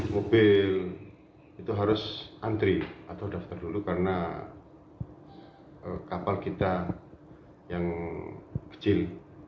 mobil itu harus antri atau daftar dulu karena kapal kita yang kecil